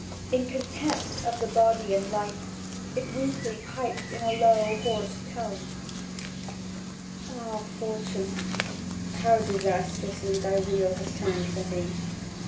In contempt of the body and life, it weakly piped in a low, hoarse tone: "Ah, fortune, how disastrously thy wheel has turned for me!